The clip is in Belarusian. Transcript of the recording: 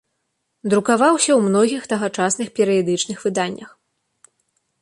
Друкаваўся ў многіх тагачасных перыядычных выданнях.